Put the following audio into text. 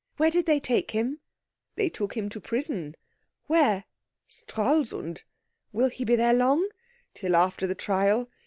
Where did they take him?" "They took him to prison." "Where?" "Stralsund." "Will he be there long?" "Till after the trial."